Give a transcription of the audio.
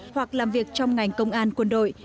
hoặc làm việc trong ngành công an quân đội